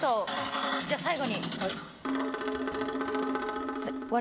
じゃあ最後に。